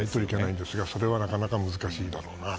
それはなかなか難しいだろうなと。